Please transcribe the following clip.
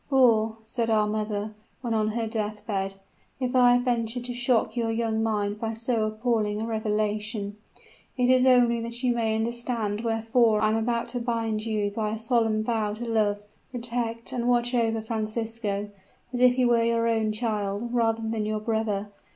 "'For,' said our mother, when on her death bed, 'if I have ventured to shock your young mind by so appalling a revelation, it is only that you may understand wherefore I am about to bind you by a solemn vow to love, protect, and watch over Francisco, as if he were your own child, rather than your brother.